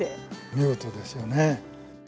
見事ですよね。